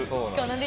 確かにね。